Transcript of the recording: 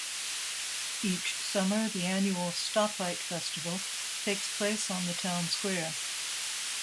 Each summer, the annual Stoplight Festival takes place on the town square.